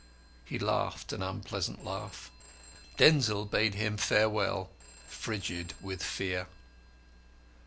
He laughed an unpleasant laugh. Denzil bade him farewell, frigid with fear.